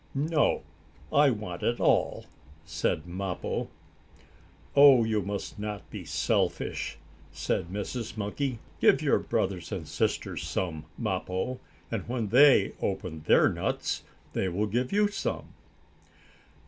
"No, I want it all," said Mappo. "Oh, you must not be selfish!" said Mrs. Monkey. "Give your brothers and sisters some, Mappo, and when they open their nuts, they will give you some."